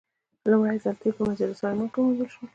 لومړی ځل تیل په مسجد سلیمان کې وموندل شول.